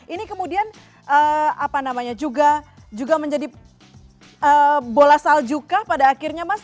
ini kemudian juga menjadi bola saljukah pada akhirnya mas